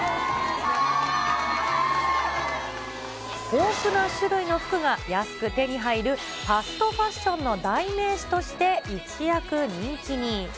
豊富な種類の服が安く手に入るファストファッションの代名詞として一躍人気に。